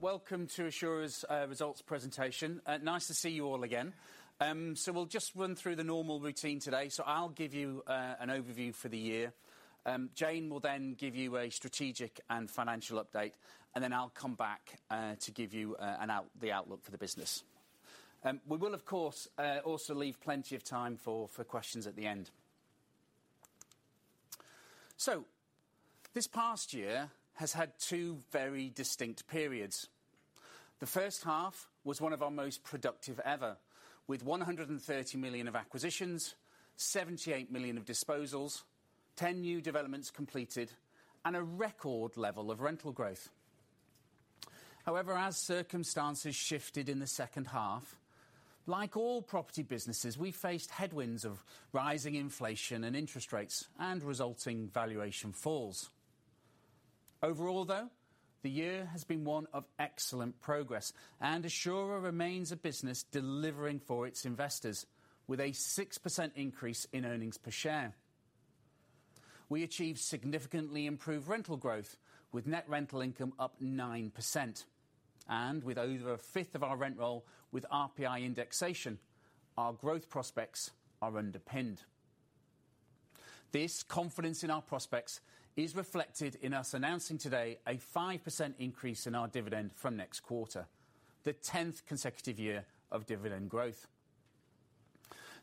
Welcome to Assura's results presentation. Nice to see you all again. We'll just run through the normal routine today. I'll give you an overview for the year. Jane will then give you a strategic and financial update, and then I'll come back to give you the outlook for the business. We will, of course, also leave plenty of time for questions at the end. This past year has had 2 very distinct periods. The first half was one of our most productive ever, with 130 million of acquisitions, 78 million of disposals, 10 new developments completed, and a record level of rental growth. However, as circumstances shifted in the second half, like all property businesses, we faced headwinds of rising inflation and interest rates and resulting valuation falls. Overall, though, the year has been one of excellent progress. Assura remains a business delivering for its investors with a 6% increase in earnings per share. We achieved significantly improved rental growth, with net rental income up 9%. With over a fifth of our rent roll with RPI indexation, our growth prospects are underpinned. This confidence in our prospects is reflected in us announcing today a 5% increase in our dividend from next quarter, the tenth consecutive year of dividend growth.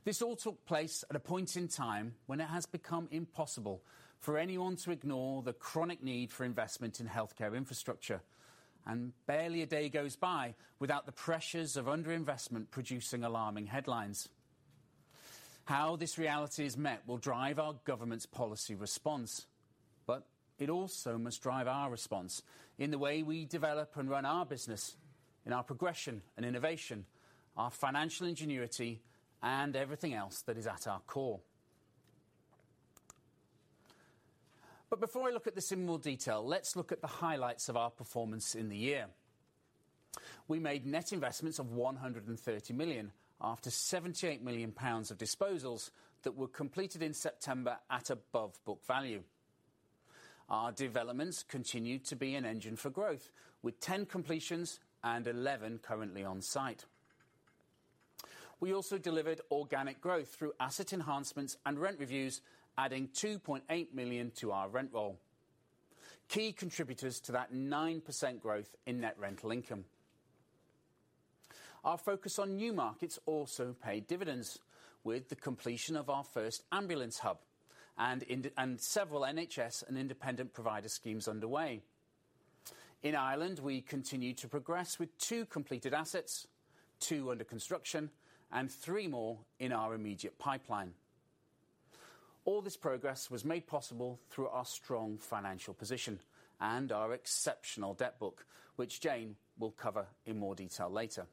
This all took place at a point in time when it has become impossible for anyone to ignore the chronic need for investment in healthcare infrastructure. Barely a day goes by without the pressures of underinvestment producing alarming headlines. How this reality is met will drive our government's policy response, but it also must drive our response in the way we develop and run our business, in our progression and innovation, our financial ingenuity and everything else that is at our core. Before I look at this in more detail, let's look at the highlights of our performance in the year. We made net investments of 130 million after 78 million pounds of disposals that were completed in September at above book value. Our developments continued to be an engine for growth, with 10 completions and 11 currently on site. We also delivered organic growth through asset enhancements and rent reviews, adding 2.8 million to our rent roll, key contributors to that 9% growth in net rental income. Our focus on new markets also paid dividends, with the completion of our first ambulance hub and several NHS and independent provider schemes underway. In Ireland, we continued to progress with 2 completed assets, 2 under construction and 3 more in our immediate pipeline. All this progress was made possible through our strong financial position and our exceptional debt book, which Jane will cover in more detail later.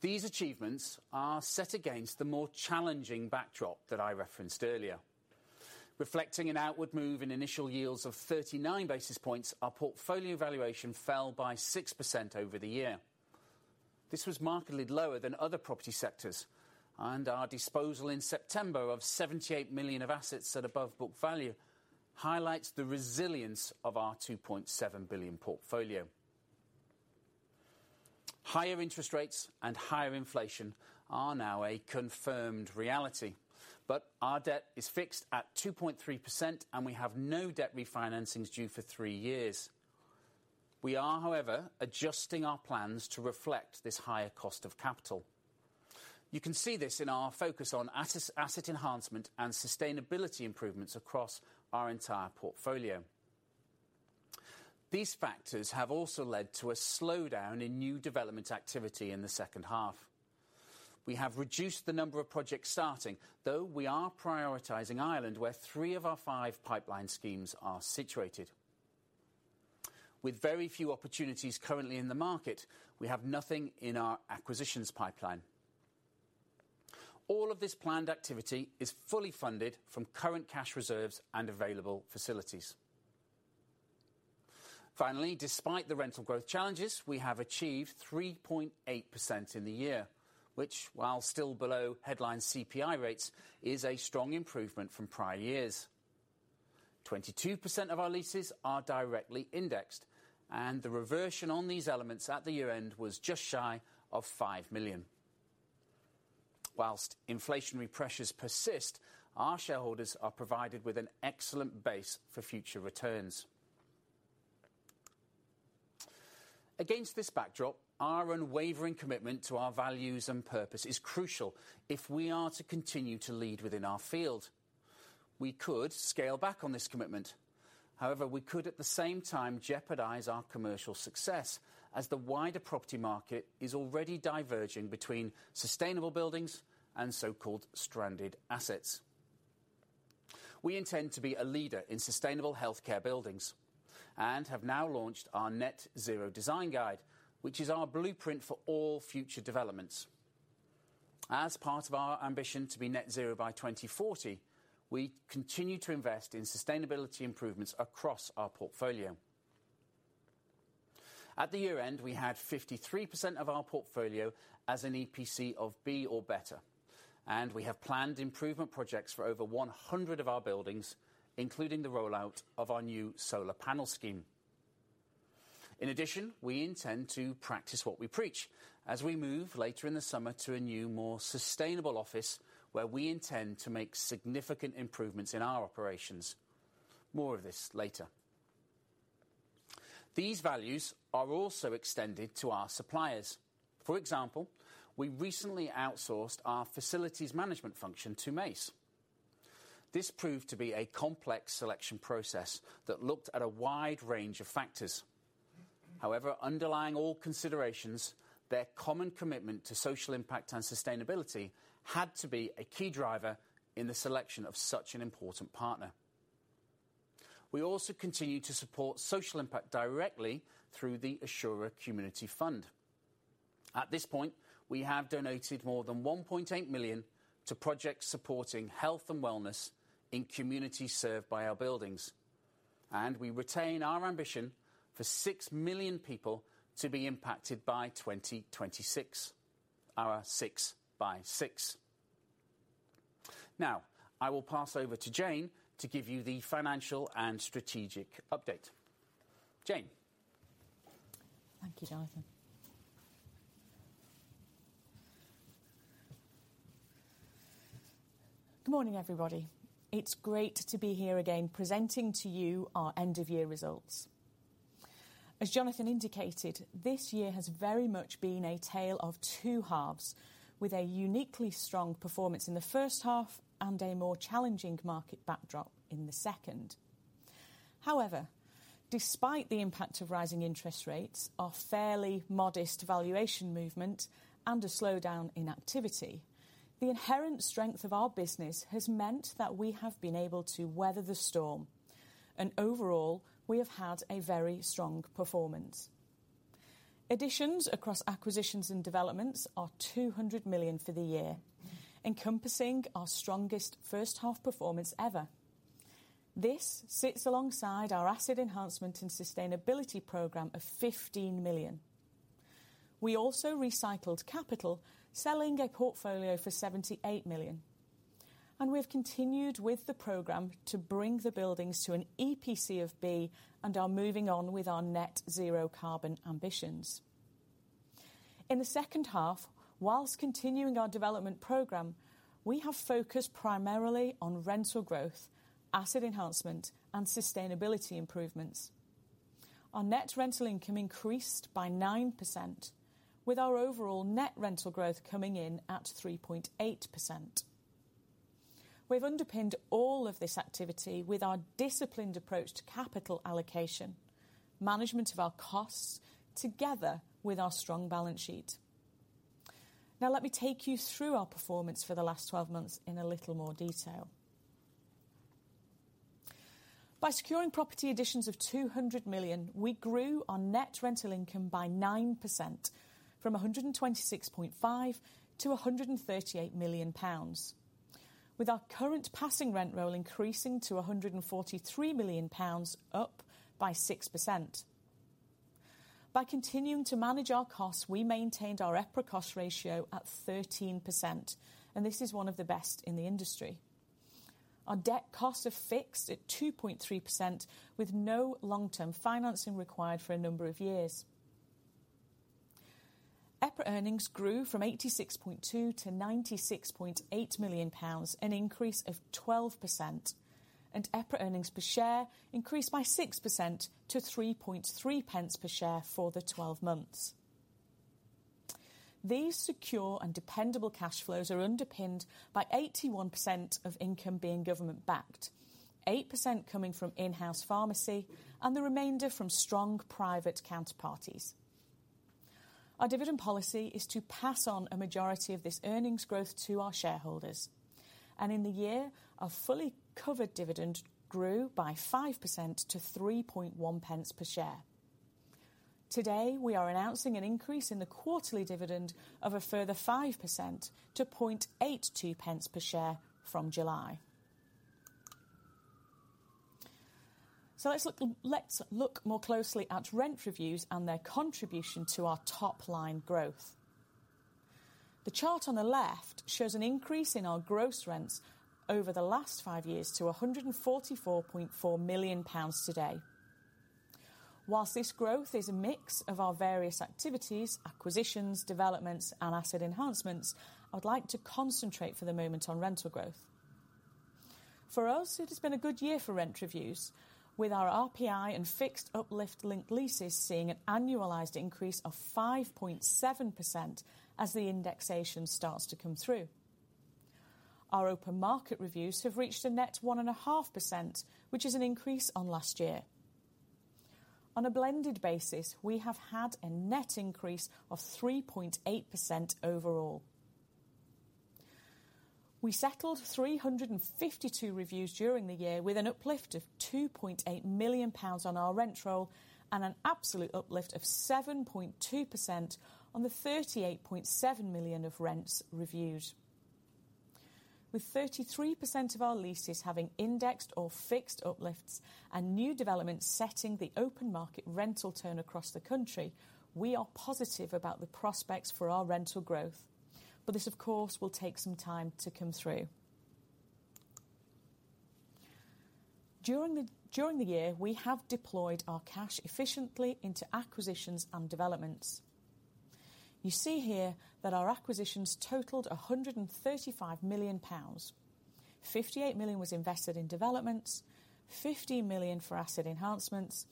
These achievements are set against the more challenging backdrop that I referenced earlier. Reflecting an outward move in initial yields of 39 basis points, our portfolio valuation fell by 6% over the year. This was markedly lower than other property sectors, and our disposal in September of 78 million of assets at above book value highlights the resilience of our 2.7 billion portfolio. Higher interest rates and higher inflation are now a confirmed reality. Our debt is fixed at 2.3%. We have no debt refinancings due for 3 years. We are, however, adjusting our plans to reflect this higher cost of capital. You can see this in our focus on asset enhancement and sustainability improvements across our entire portfolio. These factors have also led to a slowdown in new development activity in the second half. We have reduced the number of projects starting, though we are prioritizing Ireland, where 3 of our 5 pipeline schemes are situated. With very few opportunities currently in the market, we have nothing in our acquisitions pipeline. All of this planned activity is fully funded from current cash reserves and available facilities. Finally, despite the rental growth challenges, we have achieved 3.8% in the year, which, while still below headline CPI rates, is a strong improvement from prior years. 22% of our leases are directly indexed, and the reversion on these elements at the year-end was just shy of 5 million. While inflationary pressures persist, our shareholders are provided with an excellent base for future returns. Against this backdrop, our unwavering commitment to our values and purpose is crucial if we are to continue to lead within our field. We could scale back on this commitment. However, we could, at the same time, jeopardize our commercial success as the wider property market is already diverging between sustainable buildings and so-called stranded assets. We intend to be a leader in sustainable healthcare buildings and have now launched our Net Zero Design Guide, which is our blueprint for all future developments. As part of our ambition to be net zero by 2040, we continue to invest in sustainability improvements across our portfolio. At the year-end, we had 53% of our portfolio as an EPC of B or better. We have planned improvement projects for over 100 of our buildings, including the rollout of our new solar panel scheme. In addition, we intend to practice what we preach as we move, later in the summer, to a new, more sustainable office, where we intend to make significant improvements in our operations. More of this later. These values are also extended to our suppliers. For example, we recently outsourced our facilities management function to Mace. This proved to be a complex selection process that looked at a wide range of factors. Underlying all considerations, their common commitment to social impact and sustainability had to be a key driver in the selection of such an important partner. We also continue to support social impact directly through the Assura Community Fund. At this point, we have donated more than 1.8 million to projects supporting health and wellness in communities served by our buildings, and we retain our ambition for 6 million people to be impacted by 2026. Our 6 by 6. I will pass over to Jane to give you the financial and strategic update. Jane? Thank you, Jonathan. Good morning, everybody. It's great to be here again, presenting to you our end of year results. As Jonathan indicated, this year has very much been a tale of 2 halves, with a uniquely strong performance in the first half and a more challenging market backdrop in the second. However, despite the impact of rising interest rates, our fairly modest valuation movement and a slowdown in activity, the inherent strength of our business has meant that we have been able to weather the storm. Overall, we have had a very strong performance. Additions across acquisitions and developments are 200 million for the year, encompassing our strongest first half performance ever. This sits alongside our asset enhancement and sustainability program of 15 million. We also recycled capital, selling a portfolio for 78 million. We've continued with the program to bring the buildings to an EPC of B and are moving on with our net zero carbon ambitions. In the second half, whilst continuing our development program, we have focused primarily on rental growth, asset enhancement, and sustainability improvements. Our net rental income increased by 9%, with our overall net rental growth coming in at 3.8%. We've underpinned all of this activity with our disciplined approach to capital allocation, management of our costs, together with our strong balance sheet. Let me take you through our performance for the last 12 months in a little more detail. By securing property additions of 200 million, we grew our net rental income by 9% from 126.5 million to 138 million pounds. With our current passing rent roll increasing to 143 million pounds, up by 6%. By continuing to manage our costs, we maintained our EPRA Cost Ratio at 13%. This is one of the best in the industry. Our debt costs are fixed at 2.3%, with no long-term financing required for a number of years. EPRA Earnings grew from 86.2 million-96.8 million pounds, an increase of 12%. EPRA Earnings Per Share increased by 6% to 0.033 per share for the 12 months. These secure and dependable cash flows are underpinned by 81% of income being government-backed, 8% coming from in-house pharmacy, and the remainder from strong private counterparties. Our dividend policy is to pass on a majority of this earnings growth to our shareholders, and in the year, our fully covered dividend grew by 5% to 3.1 pence per share. Today, we are announcing an increase in the quarterly dividend of a further 5% to 0.82 pence per share from July. Let's look more closely at rent reviews and their contribution to our top line growth. The chart on the left shows an increase in our gross rents over the last 5 years to 144.4 million pounds today. Whilst this growth is a mix of our various activities, acquisitions, developments, and asset enhancements, I would like to concentrate for the moment on rental growth. For us, it has been a good year for rent reviews, with our RPI and fixed uplift linked leases seeing an annualized increase of 5.7% as the indexation starts to come through. Our open market reviews have reached a net 1.5%, which is an increase on last year. On a blended basis, we have had a net increase of 3.8% overall. We settled 352 reviews during the year with an uplift of 2.8 million pounds on our rent roll and an absolute uplift of 7.2% on the 38.7 million of rents reviews. With 33% of our leases having indexed or fixed uplifts and new developments setting the open market rental turn across the country, this, of course, will take some time to come through. During the year, we have deployed our cash efficiently into acquisitions and developments. You see here that our acquisitions totaled 135 million pounds. 58 million was invested in developments, 50 million for asset enhancements,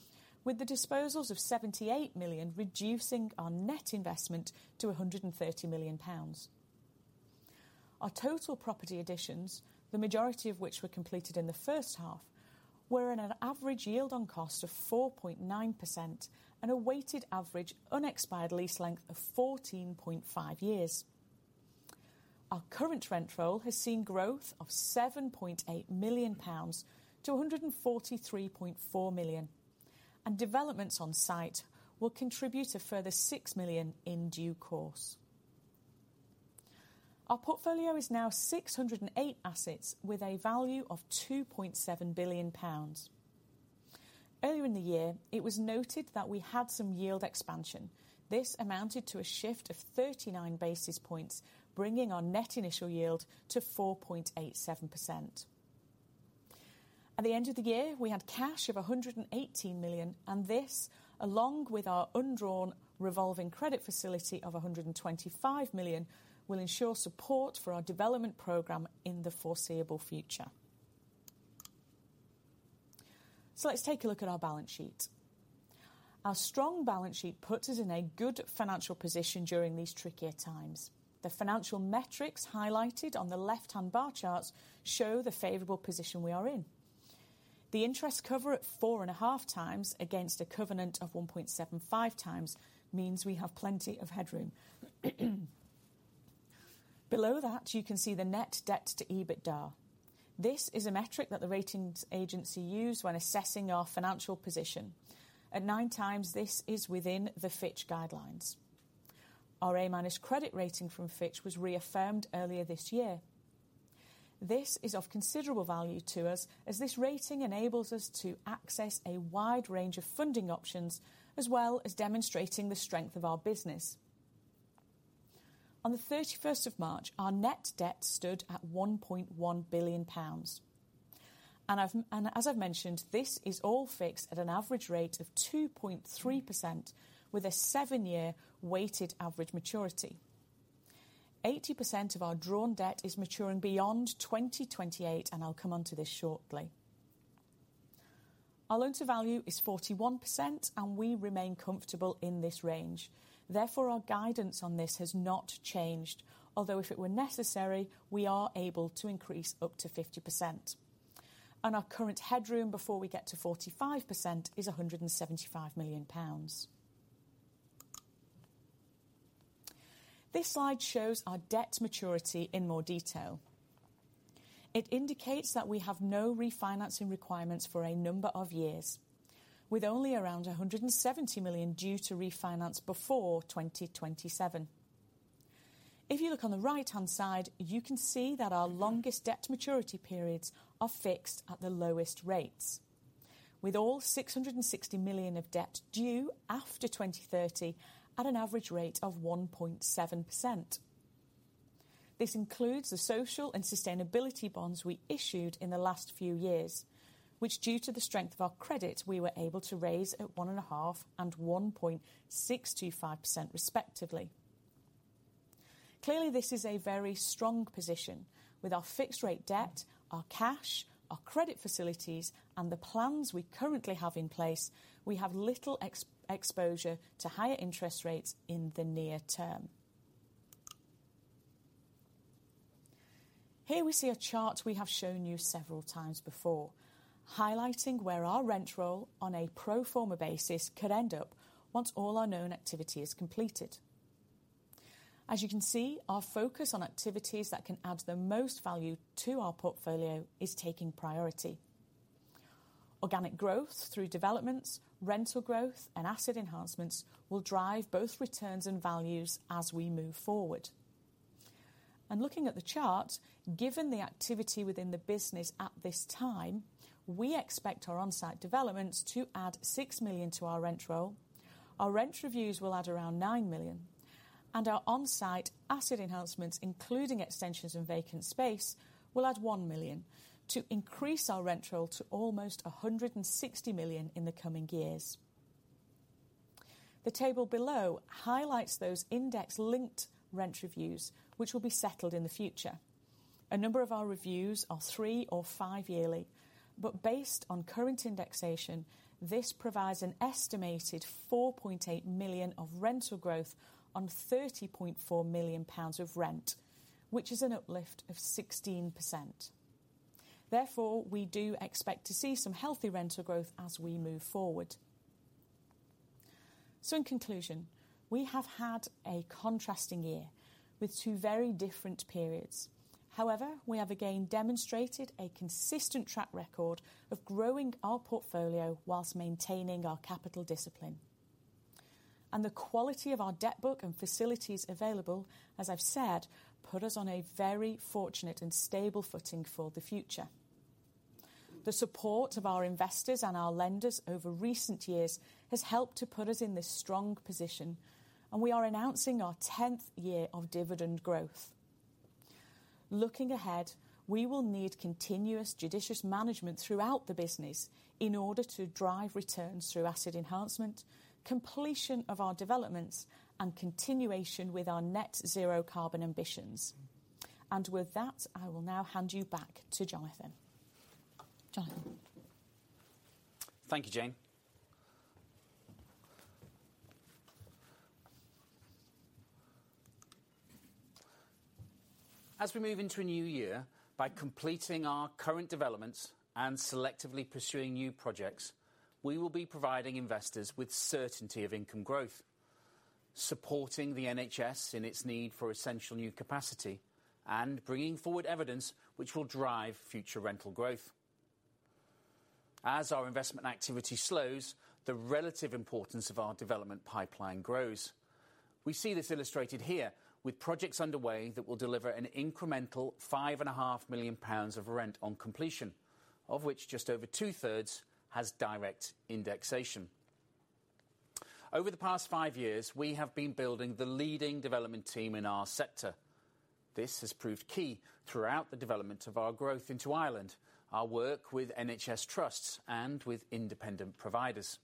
with the disposals of 78 million reducing our net investment to 130 million pounds. Our total property additions, the majority of which were completed in the first half, were in an average Yield on Cost of 4.9% and a weighted average unexpired lease length of 14.5 years. Our current rent roll has seen growth of 7.8 million pounds to 143.4 million, and developments on site will contribute a further 6 million in due course. Our portfolio is now 608 assets with a value of 2.7 billion pounds. Earlier in the year, it was noted that we had some yield expansion. This amounted to a shift of 39 basis points, bringing our Net Initial Yield to 4.87%. At the end of the year, we had cash of 118 million, and this, along with our undrawn revolving credit facility of 125 million, will ensure support for our development program in the foreseeable future. Let's take a look at our balance sheet. Our strong balance sheet puts us in a good financial position during these trickier times. The financial metrics highlighted on the left-hand bar charts show the favorable position we are in. The interest cover at 4.5 times against a covenant of 1.75 times means we have plenty of headroom. Below that, you can see the Net Debt to EBITDA. This is a metric that the ratings agency use when assessing our financial position. At 9 times, this is within the Fitch guidelines. Our A- credit rating from Fitch was reaffirmed earlier this year. This is of considerable value to us as this rating enables us to access a wide range of funding options, as well as demonstrating the strength of our business. On the 31st of March, our net debt stood at 1.1 billion pounds. As I've mentioned, this is all fixed at an average rate of 2.3% with a 7-year weighted average maturity. 80% of our drawn debt is maturing beyond 2028. I'll come onto this shortly. Our Loan to Value is 41%. We remain comfortable in this range. Therefore, our guidance on this has not changed. If it were necessary, we are able to increase up to 50%. Our current headroom before we get to 45% is 175 million pounds. This slide shows our debt maturity in more detail. It indicates that we have no refinancing requirements for a number of years, with only around 170 million due to refinance before 2027. If you look on the right-hand side, you can see that our longest debt maturity periods are fixed at the lowest rates. With all 660 million of debt due after 2030 at an average rate of 1.7%. This includes the social and sustainability bonds we issued in the last few years, which, due to the strength of our credit, we were able to raise at 1.5% and 1.625% respectively. Clearly, this is a very strong position. With our fixed rate debt, our cash, our credit facilities, and the plans we currently have in place, we have little exposure to higher interest rates in the near term. Here we see a chart we have shown you several times before, highlighting where our rent roll on a pro forma basis could end up once all our known activity is completed. As you can see, our focus on activities that can add the most value to our portfolio is taking priority. Organic growth through developments, rental growth, and asset enhancements will drive both returns and values as we move forward. Looking at the chart, given the activity within the business at this time, we expect our on-site developments to add 6 million to our rent roll, our rent reviews will add around 9 million, and our on-site asset enhancements, including extensions and vacant space, will add 1 million to increase our rent roll to almost 160 million in the coming years. The table below highlights those index-linked rent reviews, which will be settled in the future. A number of our reviews are 3 or 5 yearly, but based on current indexation, this provides an estimated 4.8 million of rental growth on 30.4 million pounds of rent, which is an uplift of 16%. We do expect to see some healthy rental growth as we move forward. In conclusion, we have had a contrasting year with 2 very different periods. However, we have again demonstrated a consistent track record of growing our portfolio whilst maintaining our capital discipline. The quality of our debt book and facilities available, as I've said, put us on a very fortunate and stable footing for the future. The support of our investors and our lenders over recent years has helped to put us in this strong position, we are announcing our 10th year of dividend growth. Looking ahead, we will need continuous judicious management throughout the business in order to drive returns through asset enhancement, completion of our developments, and continuation with our net zero carbon ambitions. With that, I will now hand you back to Jonathan. Jonathan? Thank you, Jane. As we move into a new year, by completing our current developments and selectively pursuing new projects, we will be providing investors with certainty of income growth, supporting the NHS in its need for essential new capacity, and bringing forward evidence which will drive future rental growth. As our investment activity slows, the relative importance of our development pipeline grows. We see this illustrated here with projects underway that will deliver an incremental 5.5 million pounds of rent on completion, of which just over 2-thirds has direct indexation. Over the past 5 years, we have been building the leading development team in our sector. This has proved key throughout the development of our growth into Ireland, our work with NHS trusts, and with independent providers.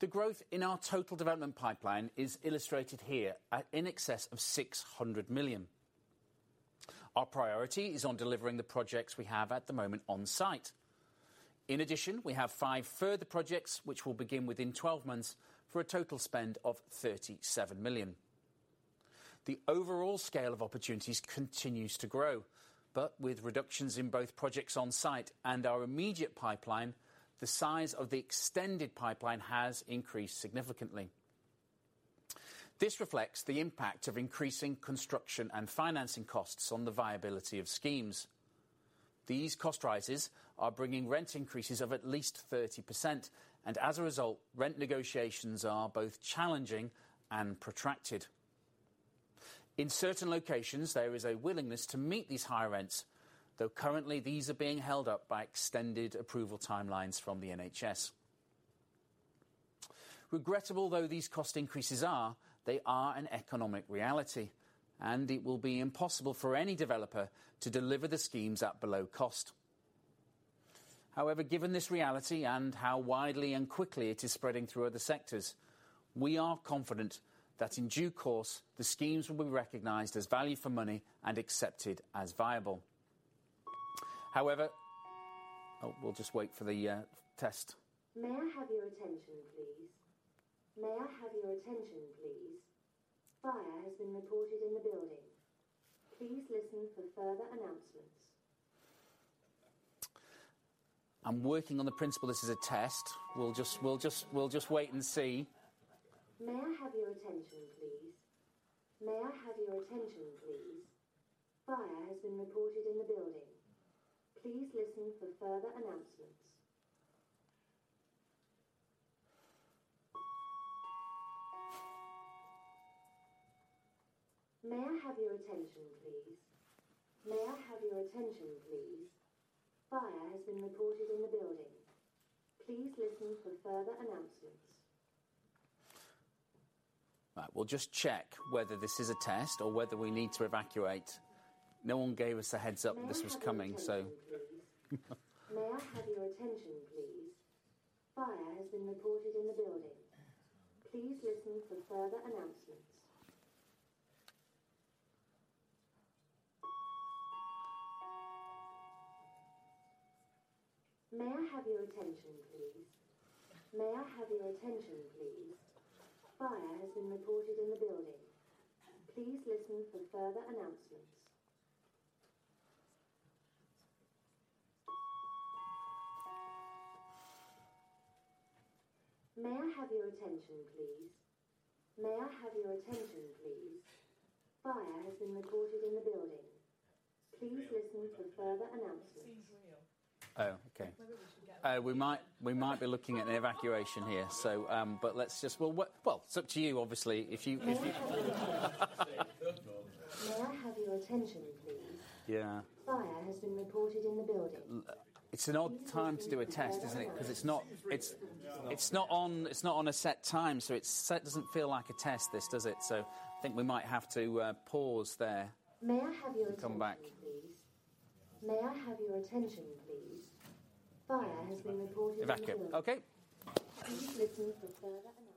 The growth in our total development pipeline is illustrated here at in excess of 600 million. Our priority is on delivering the projects we have at the moment on site. In addition, we have 5 further projects which will begin within 12 months for a total spend of 37 million. The overall scale of opportunities continues to grow, but with reductions in both projects on site and our immediate pipeline, the size of the extended pipeline has increased significantly. This reflects the impact of increasing construction and financing costs on the viability of schemes. These cost rises are bringing rent increases of at least 30%, and as a result, rent negotiations are both challenging and protracted. In certain locations, there is a willingness to meet these higher rents, though currently these are being held up by extended approval timelines from the NHS. Regrettable though these cost increases are, they are an economic reality, and it will be impossible for any developer to deliver the schemes at below cost. However, given this reality and how widely and quickly it is spreading through other sectors, we are confident that in due course, the schemes will be recognized as value for money and accepted as viable. However. Oh, we'll just wait for the test. May I have your attention, please? May I have your attention, please? Fire has been reported in the building. Please listen for further announcements. I'm working on the principle this is a test. We'll just wait and see. May I have your attention, please? May I have your attention, please? Fire has been reported in the building. Please listen for further announcements. May I have your attention, please? May I have your attention, please? Fire has been reported in the building. Please listen for further announcements. All right, we'll just check whether this is a test or whether we need to evacuate. No one gave us a heads up that this was coming, so. May I have your attention, please? Fire has been reported in the building. Please listen for further announcements. May I have your attention, please? Fire has been reported in the building. Please listen for further announcements. Oh, okay. We might be looking at an evacuation here. Let's just... We'll wait... Well, it's up to you, obviously. If you- May I have your attention, please? May I have your attention, please? Yeah. Fire has been reported in the building. It's an odd time to do a test, isn't it? Because it's not, it's not on, it's not on a set time, so it's... It doesn't feel like a test, this, does it? I think we might have to pause there. May I have your attention, please? Come back. May I have your attention, please? Fire has been reported in the building. Evacuate. Okay. Please listen for further announcements.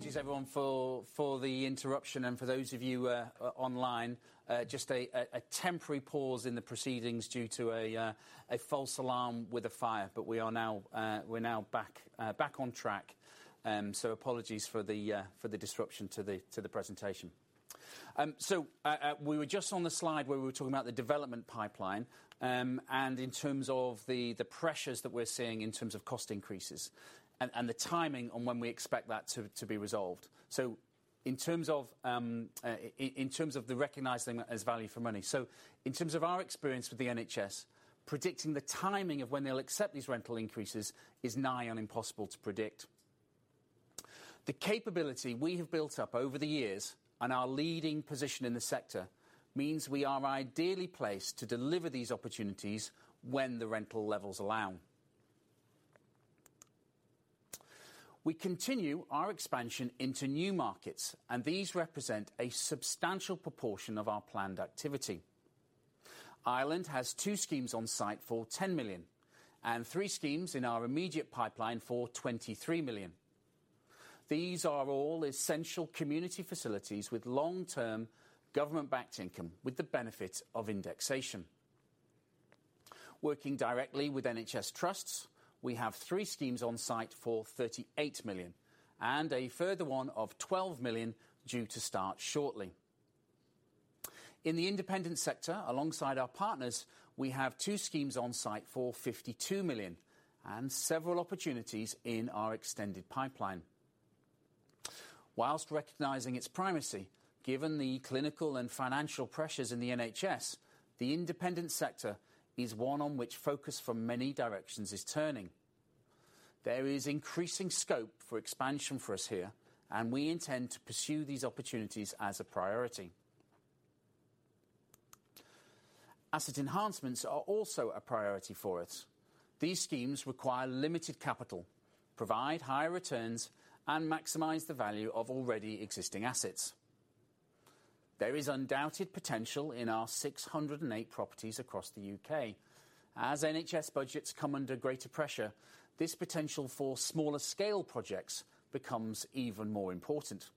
Apologies everyone for the interruption. For those of you online, just a temporary pause in the proceedings due to a false alarm with the fire. We are now back on track. Apologies for the disruption to the presentation. We were just on the slide where we were talking about the development pipeline, and in terms of the pressures that we're seeing in terms of cost increases and the timing on when we expect that to be resolved. In terms of recognizing as value for money. In terms of our experience with the NHS, predicting the timing of when they'll accept these rental increases is nigh on impossible to predict. The capability we have built up over the years and our leading position in the sector means we are ideally placed to deliver these opportunities when the rental levels allow. We continue our expansion into new markets. These represent a substantial proportion of our planned activity. Ireland has 2 schemes on site for 10 million and 3 schemes in our immediate pipeline for 23 million. These are all essential community facilities with long-term government backed income with the benefit of indexation. Working directly with NHS trusts, we have 3 schemes on site for 38 million and a further one of 12 million due to start shortly. In the independent sector alongside our partners, we have 2 schemes on site for 52 million and several opportunities in our extended pipeline. Whilst recognizing its primacy, given the clinical and financial pressures in the NHS, the independent sector is one on which focus from many directions is turning. There is increasing scope for expansion for us here, and we intend to pursue these opportunities as a priority. Asset enhancements are also a priority for us. These schemes require limited capital, provide higher returns, and maximize the value of already existing assets. There is undoubted potential in our 608 properties across the U.K. As NHS budgets come under greater pressure, this potential for smaller scale projects becomes even more important.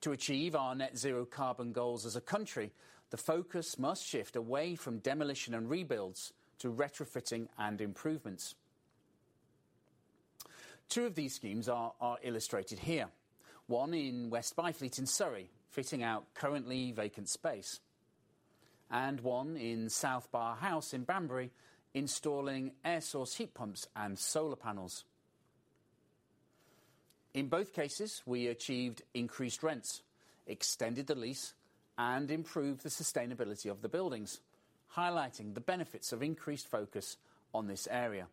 To achieve our net zero carbon goals as a country, the focus must shift away from demolition and rebuilds to retrofitting and improvements. Two of these schemes are illustrated here, 1 in West Byfleet in Surrey, fitting out currently vacant space, and 1 in South Bar House in Banbury, installing air source heat pumps and solar panels. In both cases, we achieved increased rents, extended the lease and improved the sustainability of the buildings, highlighting the benefits of increased focus on this area.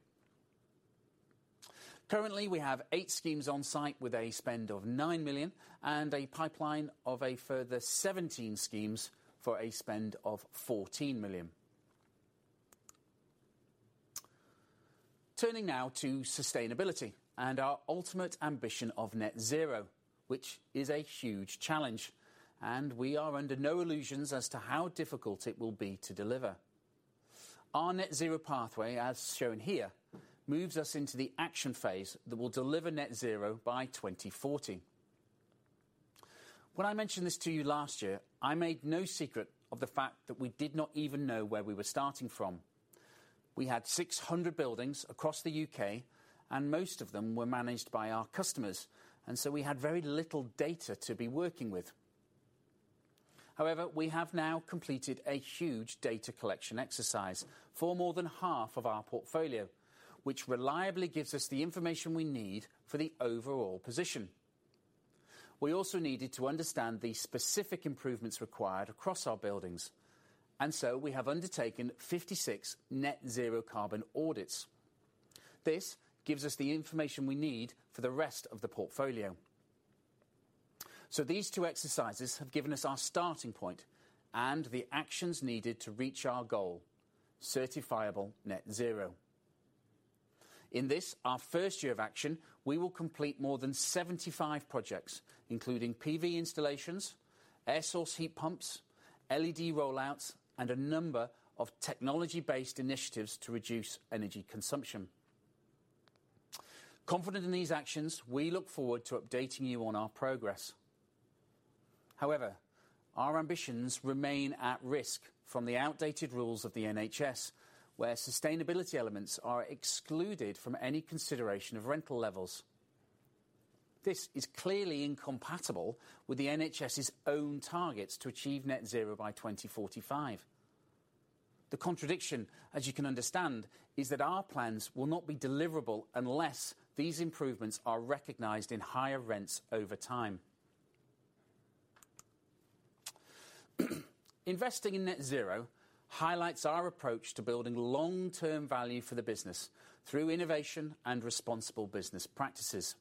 Currently, we have 8 schemes on site with a spend of 9 million and a pipeline of a further 17 schemes for a spend of 14 million. Turning now to sustainability and our ultimate ambition of net zero, which is a huge challenge, and we are under no illusions as to how difficult it will be to deliver. Our net zero pathway, as shown here, moves us into the action phase that will deliver net zero by 2040. When I mentioned this to you last year, I made no secret of the fact that we did not even know where we were starting from. We had 600 buildings across the UK, and most of them were managed by our customers, and so we had very little data to be working with. However, we have now completed a huge data collection exercise for more than half of our portfolio, which reliably gives us the information we need for the overall position. We also needed to understand the specific improvements required across our buildings, and so we have undertaken 56 net zero carbon audits. This gives us the information we need for the rest of the portfolio. These 2 exercises have given us our starting point and the actions needed to reach our goal, certifiable net zero. In this, our first year of action, we will complete more than 75 projects, including PV installations, air source heat pumps, LED rollouts, and a number of technology-based initiatives to reduce energy consumption. Confident in these actions, we look forward to updating you on our progress. Our ambitions remain at risk from the outdated rules of the NHS, where sustainability elements are excluded from any consideration of rental levels. This is clearly incompatible with the NHS's own targets to achieve net zero by 2045. The contradiction, as you can understand, is that our plans will not be deliverable unless these improvements are recognized in higher rents over time. Investing in net zero highlights our approach to building long-term value for the business through innovation and responsible business practices.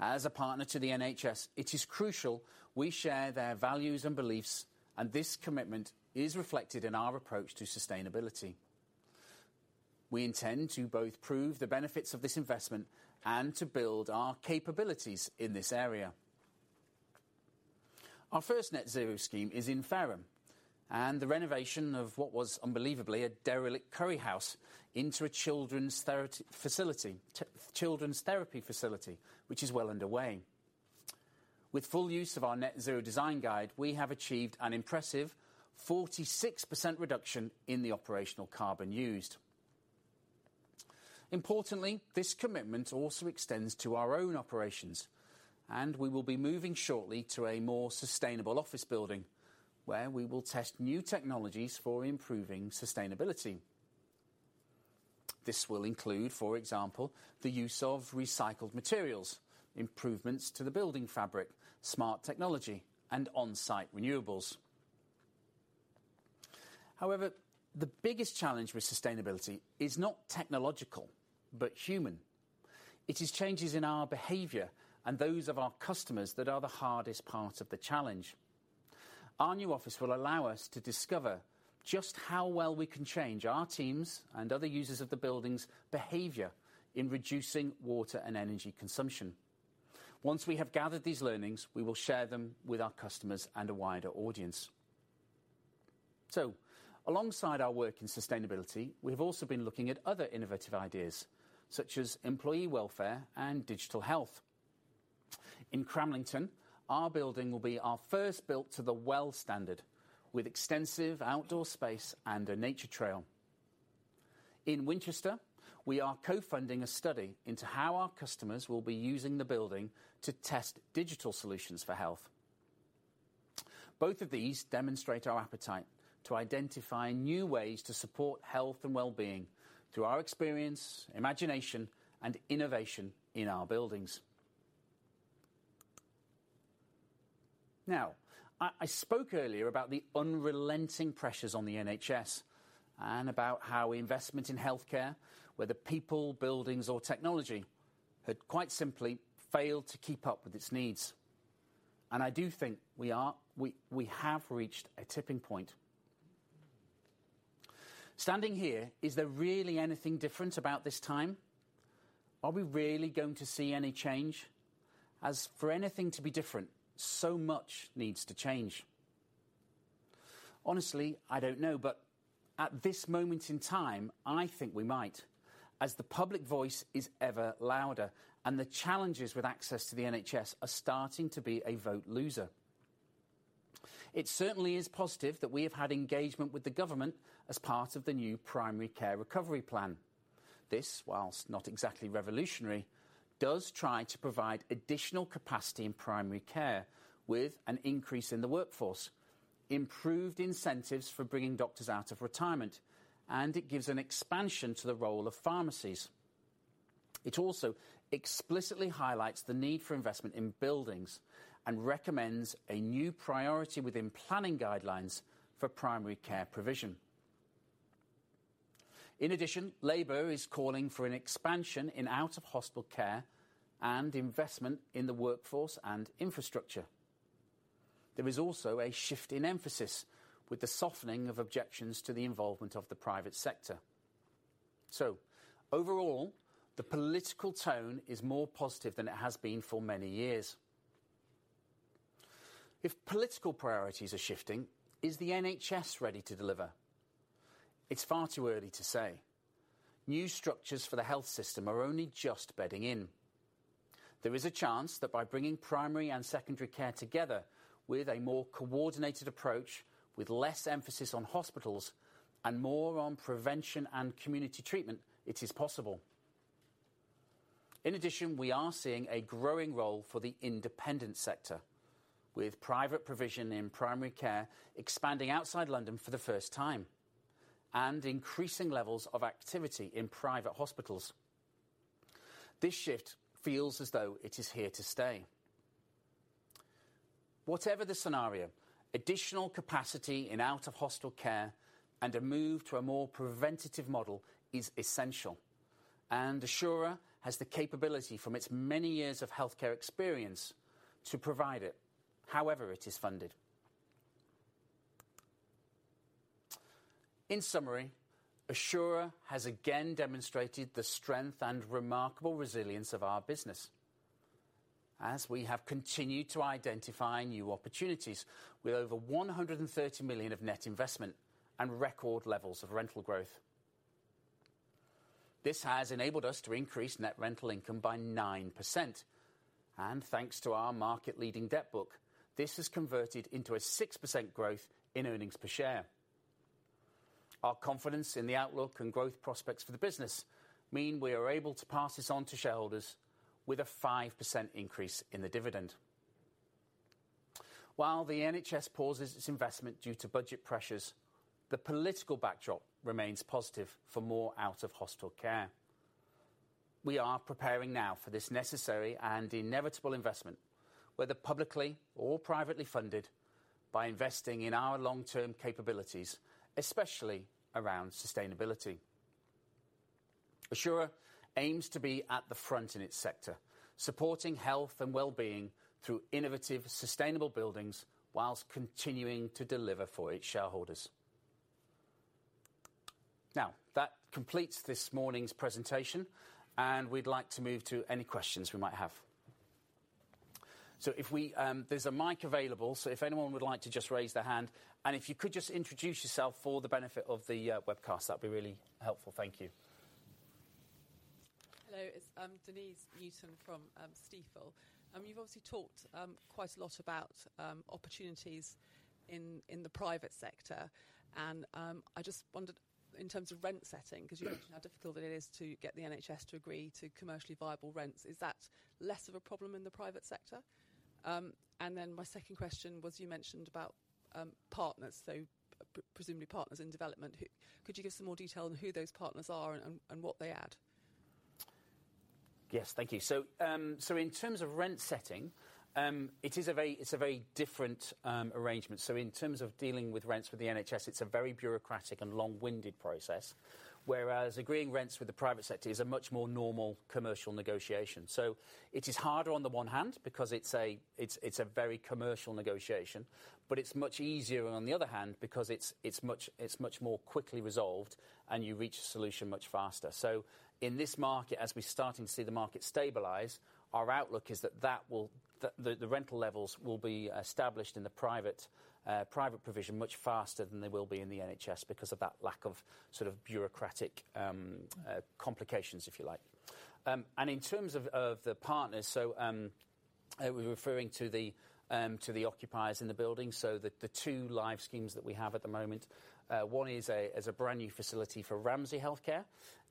As a partner to the NHS, it is crucial we share their values and beliefs, and this commitment is reflected in our approach to sustainability. We intend to both prove the benefits of this investment and to build our capabilities in this area. Our first net zero scheme is in Fareham, and the renovation of what was unbelievably a derelict curry house into a children's therapy facility, which is well underway. With full use of our Net Zero Design Guide, we have achieved an impressive 46% reduction in the operational carbon used. Importantly, this commitment also extends to our own operations, and we will be moving shortly to a more sustainable office building, where we will test new technologies for improving sustainability. This will include, for example, the use of recycled materials, improvements to the building fabric, smart technology and on-site renewables. The biggest challenge with sustainability is not technological but human. It is changes in our behavior and those of our customers that are the hardest part of the challenge. Our new office will allow us to discover just how well we can change our teams and other users of the building's behavior in reducing water and energy consumption. Once we have gathered these learnings, we will share them with our customers and a wider audience. Alongside our work in sustainability, we have also been looking at other innovative ideas, such as employee welfare and digital health. In Cramlington, our building will be our first built to the WELL Building Standard, with extensive outdoor space and a nature trail. In Winchester, we are co-funding a study into how our customers will be using the building to test digital solutions for health. Both of these demonstrate our appetite to identify new ways to support health and wellbeing through our experience, imagination and innovation in our buildings. I spoke earlier about the unrelenting pressures on the NHS and about how investment in healthcare, whether people, buildings or technology, had quite simply failed to keep up with its needs. I do think we have reached a tipping point. Standing here, is there really anything different about this time? Are we really going to see any change? As for anything to be different, so much needs to change. Honestly, I don't know. At this moment in time, I think we might, as the public voice is ever louder and the challenges with access to the NHS are starting to be a vote loser. It certainly is positive that we have had engagement with the government as part of the new Primary Care Recovery Plan. This, whilst not exactly revolutionary, does try to provide additional capacity in primary care with an increase in the workforce, improved incentives for bringing doctors out of retirement, and it gives an expansion to the role of pharmacies. It also explicitly highlights the need for investment in buildings and recommends a new priority within planning guidelines for primary care provision. In addition, Labour is calling for an expansion in out-of-hospital care and investment in the workforce and infrastructure. There is also a shift in emphasis with the softening of objections to the involvement of the private sector. Overall, the political tone is more positive than it has been for many years. If political priorities are shifting, is the NHS ready to deliver? It's far too early to say. New structures for the health system are only just bedding in. There is a chance that by bringing primary and secondary care together with a more coordinated approach, with less emphasis on hospitals and more on prevention and community treatment, it is possible. We are seeing a growing role for the independent sector, with private provision in primary care expanding outside London for the first time, and increasing levels of activity in private hospitals. This shift feels as though it is here to stay. Whatever the scenario, additional capacity in out-of-hospital care and a move to a more preventative model is essential, and Assura has the capability from its many years of healthcare experience to provide it however it is funded. In summary, Assura has again demonstrated the strength and remarkable resilience of our business as we have continued to identify new opportunities with over 130 million of net investment and record levels of rental growth. This has enabled us to increase net rental income by 9%, and thanks to our market-leading debt book, this has converted into a 6% growth in earnings per share. Our confidence in the outlook and growth prospects for the business mean we are able to pass this on to shareholders with a 5% increase in the dividend. While the NHS pauses its investment due to budget pressures, the political backdrop remains positive for more out-of-hospital care. We are preparing now for this necessary and inevitable investment, whether publicly or privately funded, by investing in our long-term capabilities, especially around sustainability. Assura aims to be at the front in its sector, supporting health and wellbeing through innovative, sustainable buildings while continuing to deliver for its shareholders. That completes this morning's presentation, and we'd like to move to any questions we might have. If we, There's a mic available, so if anyone would like to just raise their hand, and if you could just introduce yourself for the benefit of the webcast, that'd be really helpful. Thank you. Hello. It's Denese Newton Yeah. Cause you mentioned how difficult it is to get the NHS to agree to commercially viable rents, is that less of a problem in the private sector? My second question was you mentioned about partners, so presumably partners in development. Could you give some more detail on who those partners are and what they add? Yes. Thank you. In terms of rent setting, it's a very different arrangement. In terms of dealing with rents for the NHS, it's a very bureaucratic and long-winded process, whereas agreeing rents with the private sector is a much more normal commercial negotiation. It is harder on the one hand because it's a very commercial negotiation, but it's much easier on the other hand because it's much more quickly resolved and you reach a solution much faster. In this market, as we're starting to see the market stabilize, our outlook is that the rental levels will be established in the private private provision much faster than they will be in the NHS because of that lack of sort of bureaucratic complications, if you like. In terms of the partners, so, we're referring to the, to the occupiers in the building. The, the 2 live schemes that we have at the moment, one is a, is a brand new facility for Ramsay Health Care,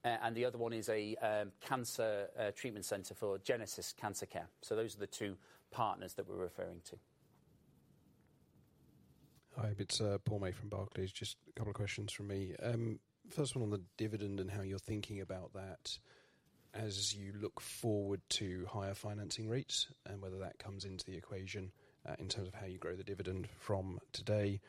and the other one is a, cancer, treatment center for GenesisCare. Those are the 2 partners that we're referring to. Hi, it's Paul May from Barclays. Just a couple of questions from me. First one on the dividend and how you're thinking about that as you look forward to higher financing rates and whether that comes into the equation in terms of how you grow the dividend from today.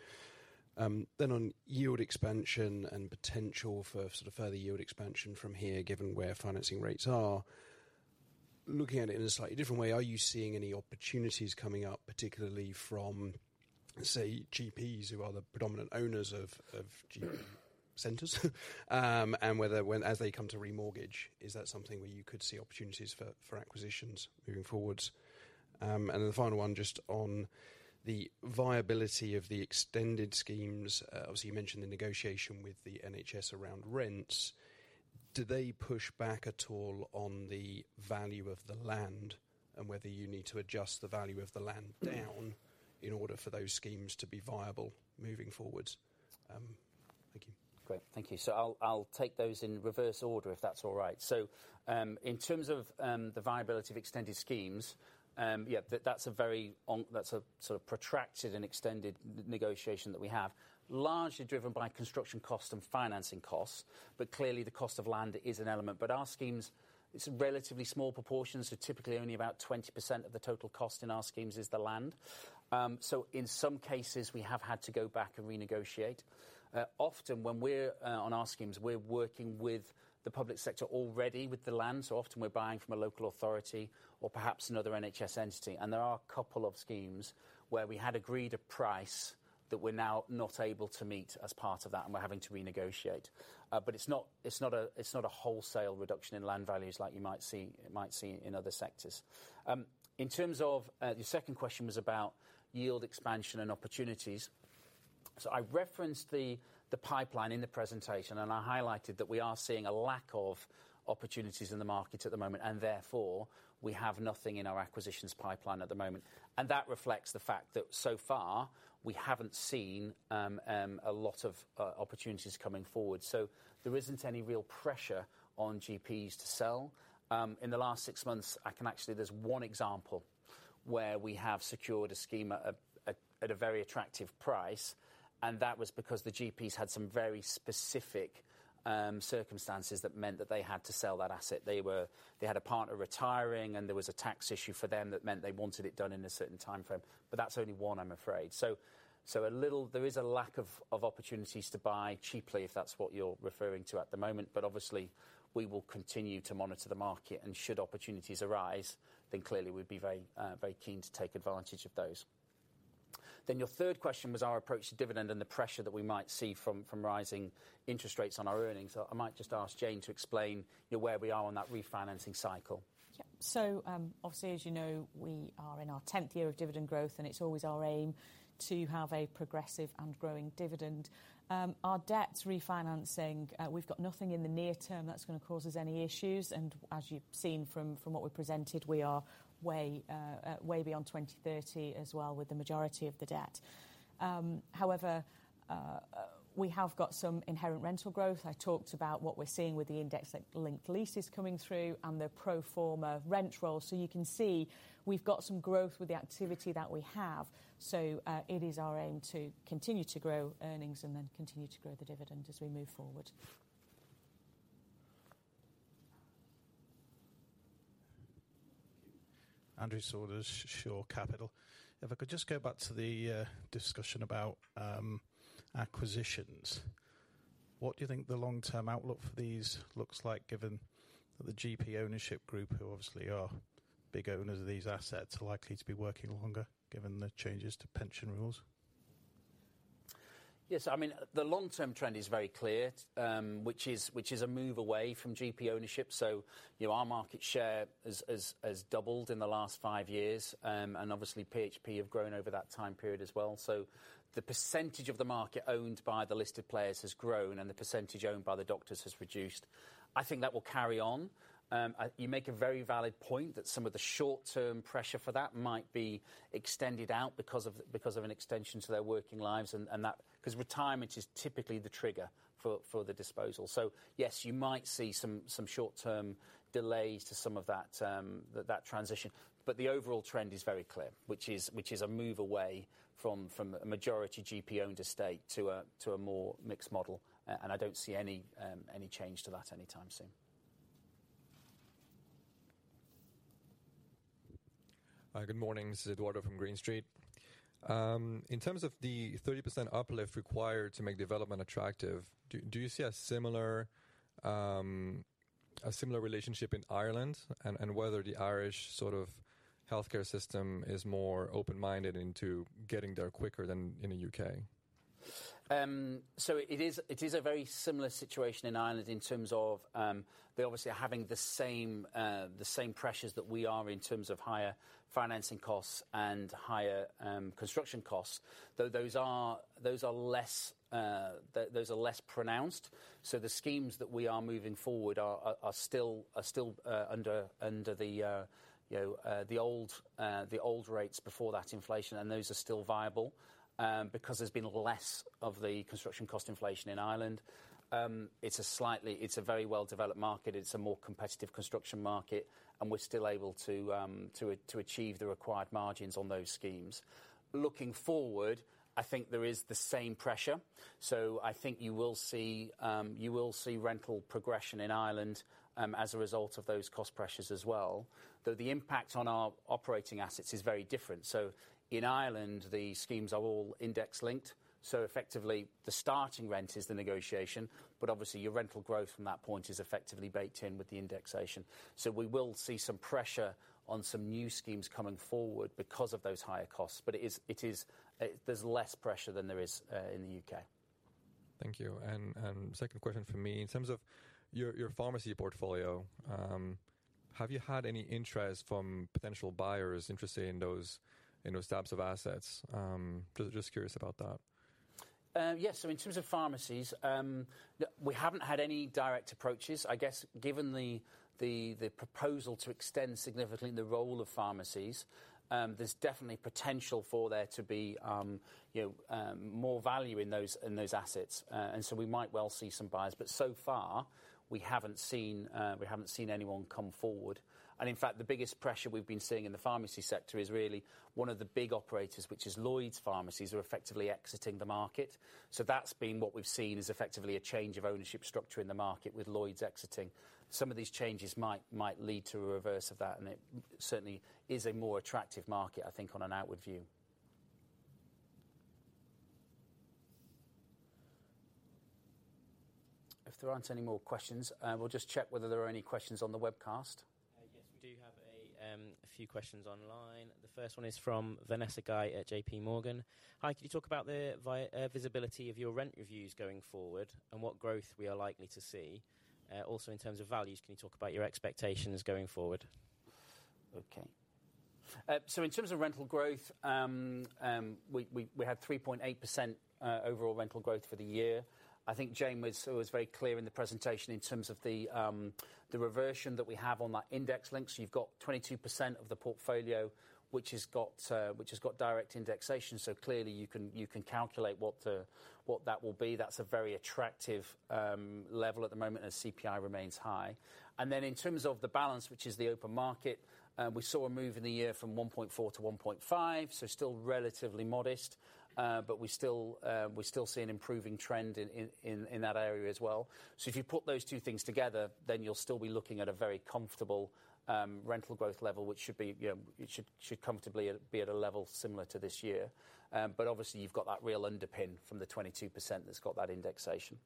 Then on yield expansion and potential for sort of further yield expansion from here, given where financing rates are. Looking at it in a slightly different way, are you seeing any opportunities coming up, particularly from, say, GPs who are the predominant owners of GP centers. Whether as they come to re-mortgage, is that something where you could see opportunities for acquisitions moving forward? Then the final one just on the viability of the extended schemes. Obviously you mentioned the negotiation with the NHS around rents. Do they push back at all on the value of the land and whether you need to adjust the value of the land down in order for those schemes to be viable moving forward? Thank you. Great. Thank you. I'll take those in reverse order if that's all right. In terms of the viability of extended schemes, yeah, that's a very protracted and extended negotiation that we have, largely driven by construction costs and financing costs. Clearly the cost of land is an element. Our schemes, it's a relatively small proportion. Typically only about 20% of the total cost in our schemes is the land. In some cases we have had to go back and renegotiate. Often when we're on our schemes, we're working with the public sector already with the land. Often we're buying from a local authority or perhaps another NHS entity. There are a couple of schemes where we had agreed a price that we're now not able to meet as part of that, and we're having to renegotiate. It's not a wholesale reduction in land values like you might see in other sectors. In terms of your second question was about yield expansion and opportunities. I referenced the pipeline in the presentation, and I highlighted that we are seeing a lack of opportunities in the market at the moment, and therefore, we have nothing in our acquisitions pipeline at the moment. That reflects the fact that so far we haven't seen a lot of opportunities coming forward. There isn't any real pressure on GPs to sell. In the last 6 months, I can actually, there's 1 example where we have secured a scheme at a very attractive price, and that was because the GPs had some very specific circumstances that meant that they had to sell that asset. They had a partner retiring, there was a tax issue for them that meant they wanted it done in a certain timeframe. That's only 1, I'm afraid. A little, there is a lack of opportunities to buy cheaply, if that's what you're referring to at the moment. Obviously we will continue to monitor the market, should opportunities arise, clearly we'd be very keen to take advantage of those. Your 3rd question was our approach to dividend and the pressure that we might see from rising interest rates on our earnings. I might just ask Jane to explain, you know, where we are on that refinancing cycle. Yeah. Obviously, as you know, we are in our 10th year of dividend growth, it's always our aim to have a progressive and growing dividend. Our debts refinancing, we've got nothing in the near term that's gonna cause us any issues. As you've seen from what we presented, we are way beyond 2030 as well with the majority of the debt. However, we have got some inherent rental growth. I talked about what we're seeing with the index-linked leases coming through and the pro forma rent roll. You can see we've got some growth with the activity that we have. It is our aim to continue to grow earnings and then continue to grow the dividend as we move forward. Andrew Saunders, Shore Capital. If I could just go back to the discussion about acquisitions. What do you think the long-term outlook for these looks like, given that the GP ownership group, who obviously are big owners of these assets, are likely to be working longer given the changes to pension rules? Yes. I mean, the long term trend is very clear, which is a move away from GP ownership. You know, our market share has doubled in the last 5 years. Obviously PHP have grown over that time period as well. The percentage of the market owned by the listed players has grown and the percentage owned by the doctors has reduced. I think that will carry on. You make a very valid point that some of the short term pressure for that might be extended out because of, because of an extension to their working lives and that. 'Cause retirement is typically the trigger for the disposal. Yes, you might see some short term delays to some of that transition. The overall trend is very clear, which is a move away from a majority GP-owned estate to a more mixed model. I don't see any change to that anytime soon. Hi, good morning. This is Eduardo from Green Street. In terms of the 30% uplift required to make development attractive, do you see a similar, a similar relationship in Ireland? And whether the Irish sort of healthcare system is more open-minded into getting there quicker than in the UK. It is a very similar situation in Ireland in terms of they obviously are having the same pressures that we are in terms of higher financing costs and higher construction costs, though those are less pronounced. The schemes that we are moving forward are still under the, you know, the old rates before that inflation, and those are still viable because there's been less of the construction cost inflation in Ireland. It's a very well-developed market. It's a more competitive construction market, and we're still able to achieve the required margins on those schemes. Looking forward, I think there is the same pressure. I think you will see rental progression in Ireland as a result of those cost pressures as well, though the impact on our operating assets is very different. In Ireland, the schemes are all index-linked, so effectively the starting rent is the negotiation, but obviously your rental growth from that point is effectively baked in with the indexation. We will see some pressure on some new schemes coming forward because of those higher costs. It is less pressure than there is in the UK. Thank you. Second question from me. In terms of your pharmacy portfolio, have you had any interest from potential buyers interested in those types of assets? Just curious about that. Yes. In terms of pharmacies, we haven't had any direct approaches. I guess given the proposal to extend significantly the role of pharmacies, there's definitely potential for there to be, you know, more value in those assets. We might well see some buyers, but so far we haven't seen anyone come forward. In fact, the biggest pressure we've been seeing in the pharmacy sector is really one of the big operators, which is LloydsPharmacy, are effectively exiting the market. That's been what we've seen as effectively a change of ownership structure in the market with Lloyds exiting. Some of these changes might lead to a reverse of that. It certainly is a more attractive market, I think, on an outward view. If there aren't any more questions, we'll just check whether there are any questions on the webcast. Yes, we do have a few questions online. The first one is from Vanessa Ganguin at JPMorgan. Hi, could you talk about the visibility of your rent reviews going forward and what growth we are likely to see? Also in terms of values, can you talk about your expectations going forward? Okay. In terms of rental growth, we had 3.8% overall rental growth for the year. I think Jane was very clear in the presentation in terms of the reversion that we have on that index links. You've got 22% of the portfolio, which has direct indexation. Clearly you can calculate what that will be. That's a very attractive level at the moment as CPI remains high. In terms of the balance, which is the open market, we saw a move in the year from 1.4%-1.5%, still relatively modest. We still see an improving trend in that area as well. If you put those 2 things together, then you'll still be looking at a very comfortable rental growth level, which should be, you know, it should comfortably be at a level similar to this year. Obviously you've got that real underpin from the 22% that's got that indexation.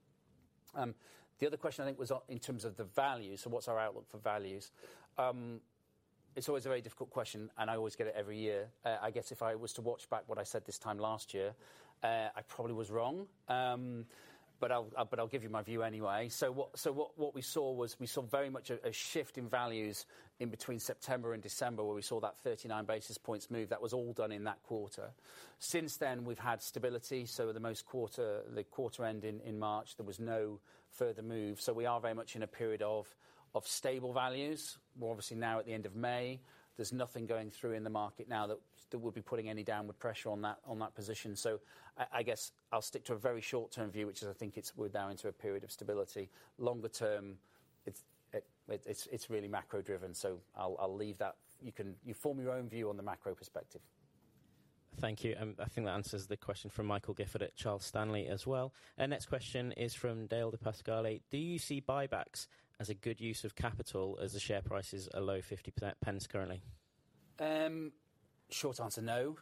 The other question I think was on, in terms of the value. What's our outlook for values? It's always a very difficult question, and I always get it every year. I guess if I was to watch back what I said this time last year, I probably was wrong. I'll give you my view anyway. What we saw was we saw very much a shift in values in between September and December, where we saw that 39 basis points move. That was all done in that quarter. Since then, we've had stability, the quarter end in March, there was no further move. We are very much in a period of stable values. We're obviously now at the end of May. There's nothing going through in the market now that would be putting any downward pressure on that, on that position. I guess I'll stick to a very short-term view, which is I think we're now into a period of stability. Longer term, it's really macro driven. I'll leave that. You can form your own view on the macro perspective. Thank you. I think that answers the question from Michael Gifford at Charles Stanley as well. Our next question is from Dale de Pascale. Do you see buybacks as a good use of capital as the share price is a low 0.50 currently? Short answer, no.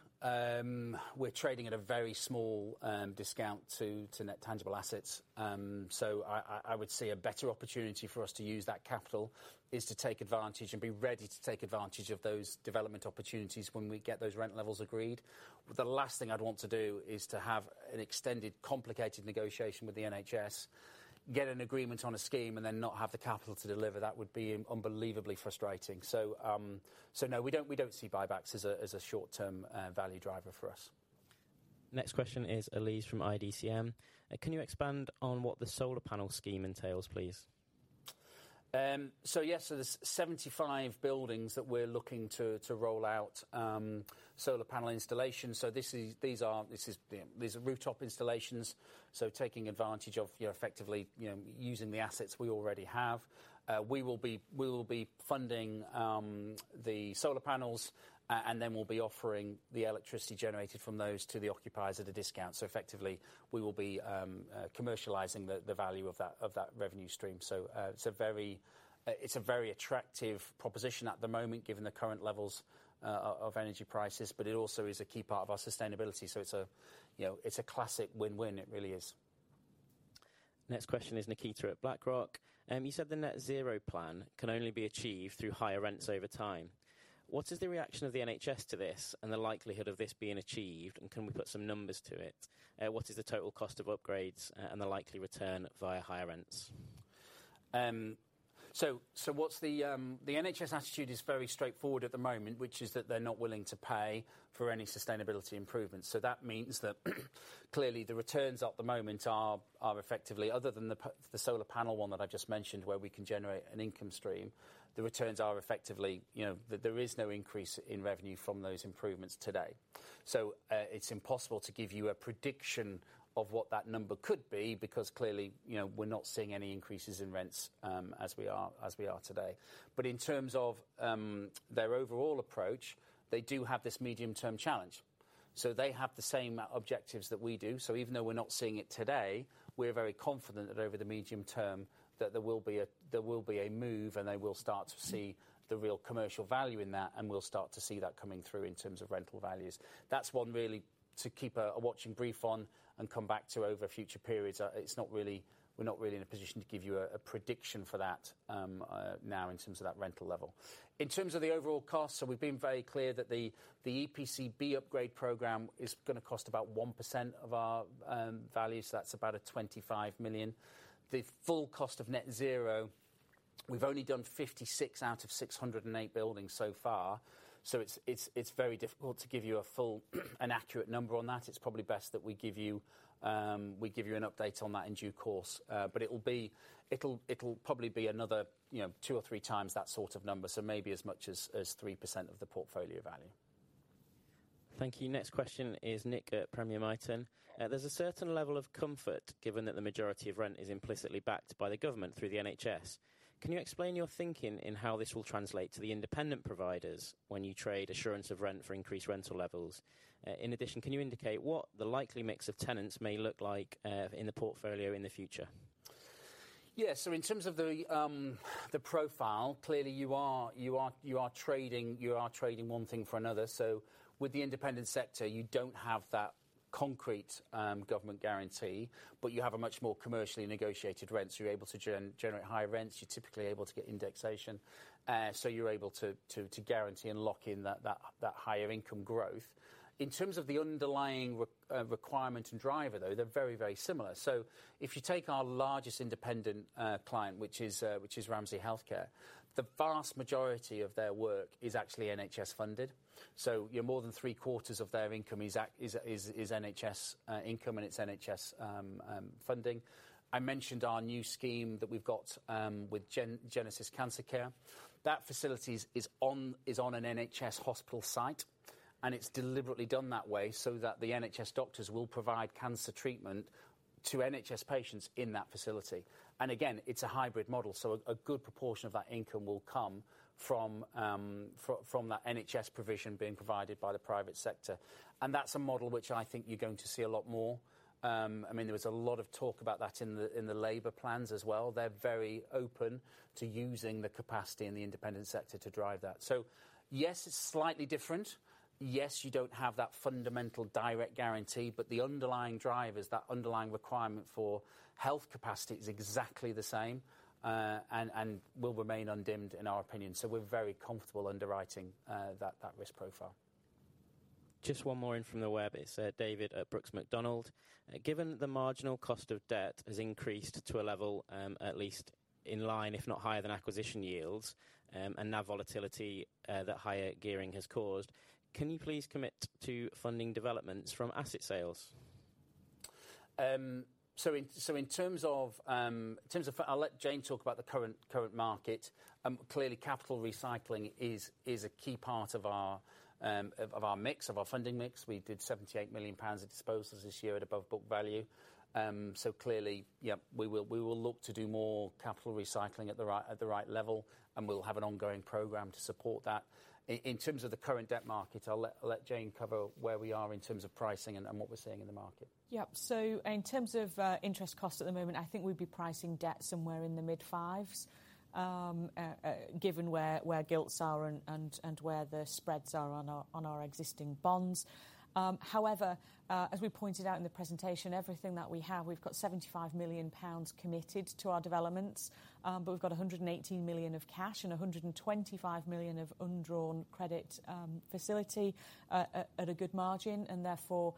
We're trading at a very small discount to net tangible assets. I would see a better opportunity for us to use that capital is to take advantage and be ready to take advantage of those development opportunities when we get those rent levels agreed. The last thing I'd want to do is to have an extended complicated negotiation with the NHS, get an agreement on a scheme, and then not have the capital to deliver. That would be unbelievably frustrating. No, we don't see buybacks as a short-term value driver for us. Next question is Elise from IDCM. Can you expand on what the solar panel scheme entails, please? Yes, there's 75 buildings that we're looking to roll out solar panel installations. These are rooftop installations, taking advantage of, you know, effectively, you know, using the assets we already have. We will be funding the solar panels, and then we'll be offering the electricity generated from those to the occupiers at a discount. Effectively, we will be commercializing the value of that revenue stream. It's a very attractive proposition at the moment, given the current levels of energy prices, but it also is a key part of our sustainability. It's a, you know, it's a classic win-win. It really is. Next question is Nikita at BlackRock. You said the net zero plan can only be achieved through higher rents over time. What is the reaction of the NHS to this and the likelihood of this being achieved? Can we put some numbers to it? What is the total cost of upgrades and the likely return via higher rents? What's the NHS attitude is very straightforward at the moment, which is that they're not willing to pay for any sustainability improvements. That means that clearly the returns at the moment are effectively other than the solar panel one that I just mentioned, where we can generate an income stream, the returns are effectively, you know, there is no increase in revenue from those improvements today. It's impossible to give you a prediction of what that number could be because clearly, you know, we're not seeing any increases in rents, as we are today. In terms of their overall approach, they do have this medium term challenge. They have the same objectives that we do. Even though we're not seeing it today, we're very confident that over the medium term that there will be a move and they will start to see the real commercial value in that and we'll start to see that coming through in terms of rental values. That's one really to keep a watching brief on and come back to over future periods. It's not really, we're not really in a position to give you a prediction for that now in terms of that rental level. In terms of the overall cost, we've been very clear that the EPC B upgrade program is gonna cost about 1% of our value. That's about 25 million. The full cost of net zero, we've only done 56 out of 608 buildings so far, so it's very difficult to give you a full, an accurate number on that. It's probably best that we give you an update on that in due course. It'll probably be another, you know, 2 or 3 times that sort of number, so maybe as much as 3% of the portfolio value. Thank you. Next question is Nick at Premier Miton. There's a certain level of comfort given that the majority of rent is implicitly backed by the government through the NHS. Can you explain your thinking in how this will translate to the independent providers when you trade assurance of rent for increased rental levels? In addition, can you indicate what the likely mix of tenants may look like, in the portfolio in the future? In terms of the profile, clearly you are trading one thing for another. With the independent sector, you don't have that concrete government guarantee, but you have a much more commercially negotiated rents. You're able to generate higher rents. You're typically able to get indexation. You're able to guarantee and lock in that higher income growth. In terms of the underlying requirement and driver, though, they're very, very similar. If you take our largest independent client, which is Ramsay Health Care, the vast majority of their work is actually NHS funded. You know, more than 3-quarters of their income is NHS income and it's NHS funding. I mentioned our new scheme that we've got with GenesisCare. That facilities is on an NHS hospital site. It's deliberately done that way so that the NHS doctors will provide cancer treatment to NHS patients in that facility. Again, it's a hybrid model, so a good proportion of that income will come from that NHS provision being provided by the private sector. That's a model which I think you're going to see a lot more. I mean, there was a lot of talk about that in the Labour Party plans as well. They're very open to using the capacity in the independent sector to drive that. Yes, it's slightly different. Yes, you don't have that fundamental direct guarantee. The underlying drivers, that underlying requirement for health capacity is exactly the same, and will remain undimmed in our opinion. We're very comfortable underwriting that risk profile. Just one more in from the web. It's David at Brooks Macdonald. Given the marginal cost of debt has increased to a level, at least in line, if not higher than acquisition yields, and now volatility that higher gearing has caused, can you please commit to funding developments from asset sales? In terms of I'll let Jane talk about the current market. Capital recycling is a key part of our mix, of our funding mix. We did 78 million pounds of disposals this year at above book value. Clearly, yeah, we will look to do more capital recycling at the right level, and we'll have an ongoing program to support that. In terms of the current debt market, I'll let Jane cover where we are in terms of pricing and what we're seeing in the market. Yeah. In terms of interest costs at the moment, I think we'd be pricing debt somewhere in the mid-fives, given where gilts are and where the spreads are on our existing bonds. However, as we pointed out in the presentation, everything that we have, we've got 75 million pounds committed to our developments, but we've got 118 million of cash and 125 million of undrawn credit facility at a good margin. Therefore,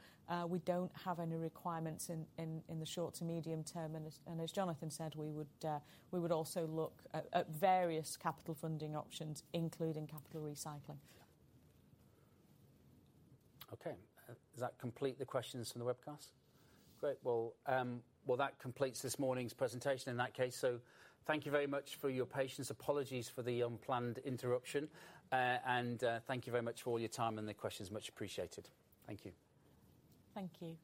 we don't have any requirements in the short to medium term. As Jonathan said, we would also look at various capital funding options, including capital recycling. Okay. Does that complete the questions from the webcast? Great. Well, that completes this morning's presentation in that case. Thank you very much for your patience. Apologies for the unplanned interruption. Thank you very much for all your time and the questions. Much appreciated. Thank you. Thank you.